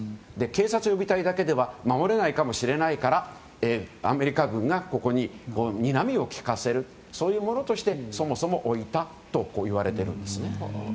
警察予備隊だけでは守れないかもしれないからアメリカ軍がここに、にらみをきかせるそういうものとして、そもそも置いたといわれています。